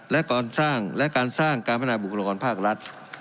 และการสร้างการพนาบุคลากรภาครัฐ